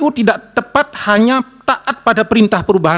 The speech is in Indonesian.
kpu tidak tepat hanya taat pada perintah perubahan satu ratus enam puluh satu